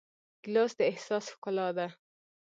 ګیلاس د احساس ښکلا ده.